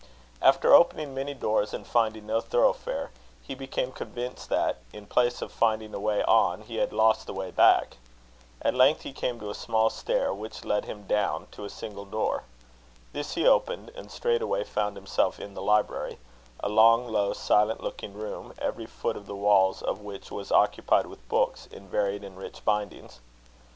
After opening many doors and finding no thoroughfare, he became convinced that, in place of finding a way on, he had lost the way back. At length he came to a small stair, which led him down to a single door. This he opened, and straightway found himself in the library, a long, low, silent looking room, every foot of the walls of which was occupied with books in varied and rich bindings.